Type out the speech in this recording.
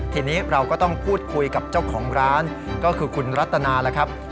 ทีนี้เราก็ต้องพูดคุยกับเจ้าของร้านก็คือคุณรัตนาแล้วครับ